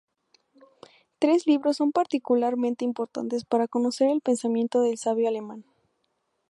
Tres libros son particularmente importantes para conocer el pensamiento del sabio alemán.